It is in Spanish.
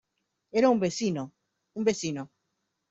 era un vecino... un vecino .